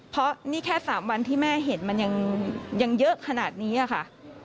เพราะนี่แค่๓วันที่แม่เห็นมันยังเยอะขนาดนี้ค่ะ